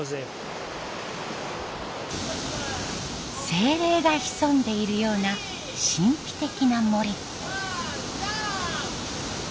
精霊が潜んでいるような神秘的な森。